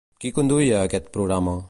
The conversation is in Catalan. Qui conduïa aquest programa?